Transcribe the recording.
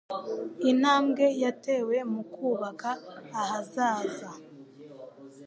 intambwe yatewe mu kubaka ahazaza.